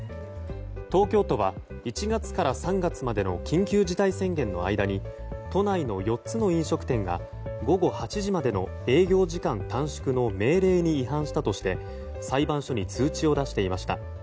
東京都は１月から３月までの緊急事態宣言の間に都内の４つの飲食店が午後８時までの営業時間短縮の命令に違反したとして裁判所に通知を出していました。